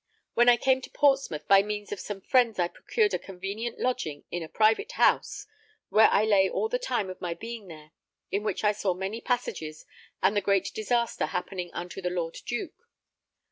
When I came to Portsmouth, by means of some friends I procured a convenient lodging in a private house, where I lay all the time of my being there, in which I saw many passages and the great disaster happening unto the Lord Duke.